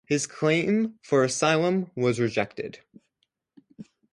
His claim for asylum was rejected.